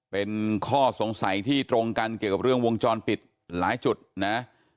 เป็นข้อสงสัยที่ตรงกันเกี่ยวกับเรื่องวงจรปิดหลายจุดนะ